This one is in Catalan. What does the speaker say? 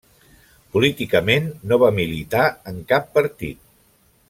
Políticament no va militar en cap partit.